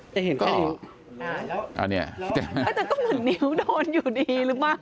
อ้ะแต่ก็เหมือนนิ้วโดนอยู่ดีเหรอว่ะ